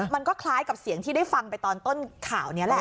มันก็คล้ายกับเสียงที่ได้ฟังไปตอนต้นข่าวนี้แหละ